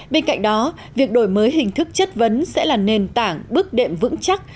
bên cạnh đó việc đổi mới hình thức chất vấn sẽ là nền tảng bước đệm vững chắc